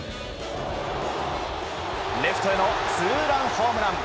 レフトへのツーランホームラン